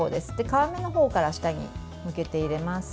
皮目のほうから下に向けて入れます。